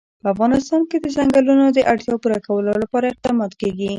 په افغانستان کې د ځنګلونه د اړتیاوو پوره کولو لپاره اقدامات کېږي.